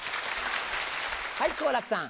はい好楽さん。